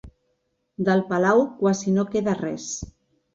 Del palau quasi no queda res.